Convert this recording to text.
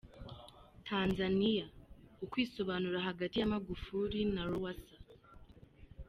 Tanzania: Ukwisobanura hagati ya Magufuli na Lowasa.